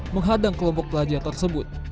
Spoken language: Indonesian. menghadang kelompok pelajar tersebut